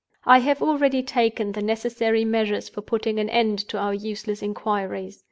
"I have already taken the necessary measures for putting an end to our useless inquiries.